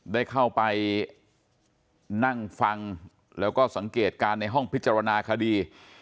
ได้เข้าไปนั่งฟังแล้วก็สังเกตการณ์ในห้องพิจารณาคดี